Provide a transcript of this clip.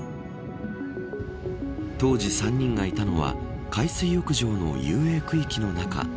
当時３人がいたのは海水浴場の遊泳区域の中。